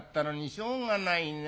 しょうがないね。